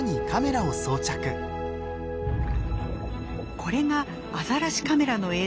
これがアザラシカメラの映像。